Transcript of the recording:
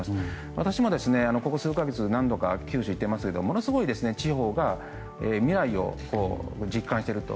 私もここ数か月何度か九州に行っていますがものすごく地方が未来を実感してると。